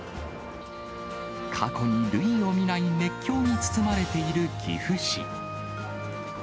過去に類を見ない熱狂に包まれている岐阜市。